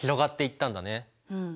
うん。